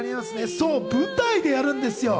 そう、舞台でやるんですよ。